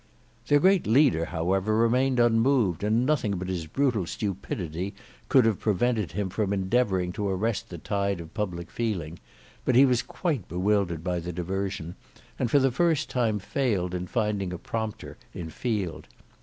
Their great leader however remained unmoved, and nothing but his brutal stupidity could have prevented him from endeavouring to arrest the tide of public feeling, but he was quite bewildered by the diversion, and for the first time failed in finding a prompter in Field.